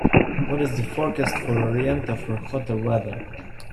what is the forecast for Orienta for hotter weather